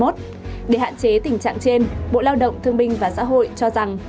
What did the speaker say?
để hạn chế tình trạng trên bộ lao động thương binh và xã hội cho rằng